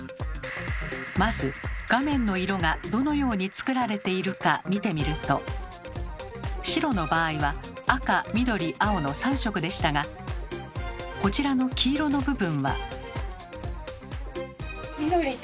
まず画面の色がどのように作られているか見てみると白の場合は赤緑青の３色でしたがこちらの黄色の部分は。